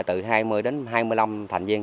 từ hai mươi đến hai mươi năm thành viên